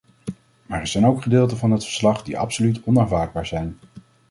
Maar er zijn ook gedeelten van het verslag die absoluut onaanvaardbaar zijn.